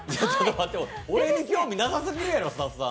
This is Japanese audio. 俺に興味なさすぎるやろ、スタッフさん。